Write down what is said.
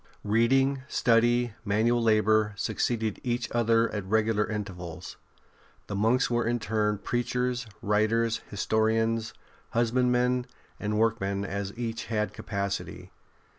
Reading, study, manual 74 ST. BENEDICT labour, succeeded each other at regular intervals ; the monks were in turn preachers, writers, historians, husbandmen, and work men, as each had capacity.